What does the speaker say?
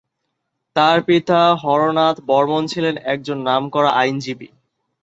তার পিতা হরনাথ বর্মণ ছিলেন একজন নামকরা আইনজীবী।